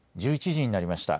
１１時になりました。